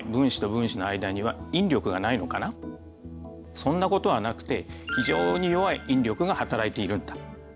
そんなことはなくて非常に弱い引力がはたらいているんだ。